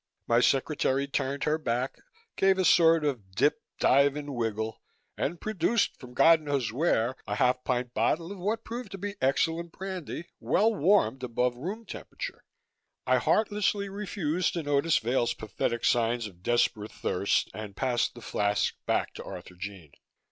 My secretary turned her back, gave a sort of dip dive and wiggle and produced from God knows where a half pint bottle of what proved to be excellent brandy, well warmed above room temperature. I heartlessly refused to notice Vail's pathetic signs of desperate thirst and passed the flask back to Arthurjean.